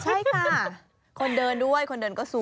ใช่ค่ะคนเดินด้วยคนเดินก็สวย